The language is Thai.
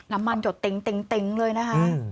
น้ำมันหยดติ๊งเลยนะฮะ